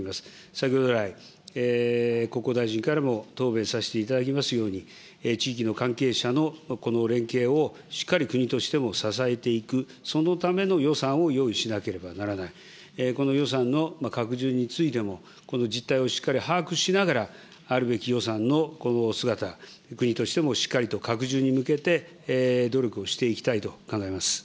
先ほど来、国交大臣からも答弁させていただきましたように、地域の関係者のこの連携をしっかり国としても支えていく、そのための予算を用意しなければならない、この予算の拡充についても、この実態をしっかり把握しながら、あるべき予算のこの姿、国としてもしっかりと拡充に向けて努力をしていきたいと考えます。